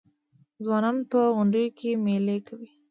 ځوانان په غونډیو کې میلې کوي.